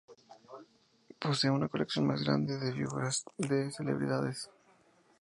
Posee la colección más grande de figuras de celebridades.